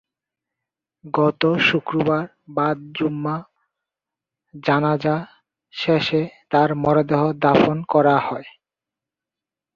গতকাল শুক্রবার বাদ জুমা জানাজা শেষে তাঁর মরদেহ দাফন করা হয়।